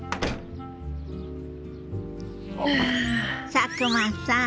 佐久間さん。